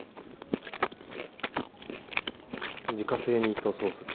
自家製ミートソースで。